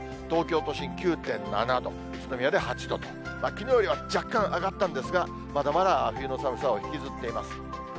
東京都心９．７度、宇都宮で８度、きのうよりは若干上がったんですが、まだまだ冬の寒さを引きずっています。